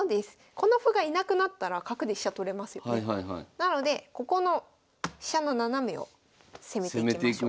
なのでここの飛車の斜めを攻めていきましょう。